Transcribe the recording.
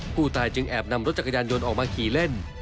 ผู้ตายจึงแอบนำรถจักรยานยนต์ออกมาขี่เล่น